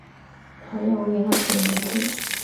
讨厌我给她取的名字